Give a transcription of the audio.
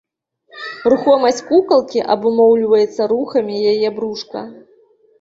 Рухомасць кукалкі абумоўліваецца рухамі яе брушка.